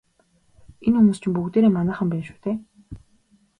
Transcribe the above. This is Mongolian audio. Энэ хүмүүс чинь бүгдээрээ манайхан байна шүү дээ.